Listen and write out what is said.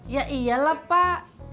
ya iyalah pak